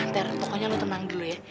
ter pokoknya lo tenang dulu ya